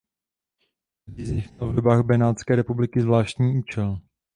Každý z nich měl v dobách Benátské republiky zvláštní účel.